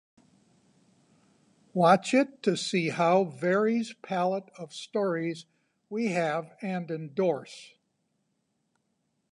Watch it to see how varies pallet of stories we have and endorse.